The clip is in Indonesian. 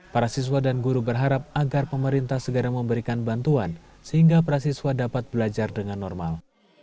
para siswa dan guru berharap agar pemerintah segera memberikan bantuan sehingga para siswa dapat belajar dengan normal